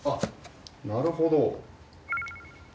なるほど。